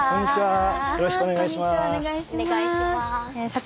よろしくお願いします。